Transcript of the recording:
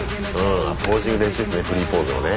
あっポージングの練習っすねフリーポーズのね。